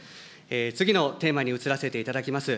次のテーマに移らせていただきます。